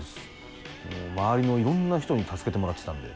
周りのいろんな人に助けてもらってたんで。